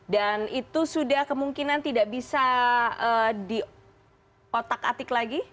dan itu sudah kemungkinan tidak bisa diotak atik lagi